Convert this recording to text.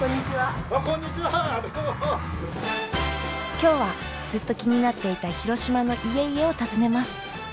今日はずっと気になっていた広島の家々を訪ねます。